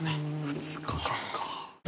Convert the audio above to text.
２日間か。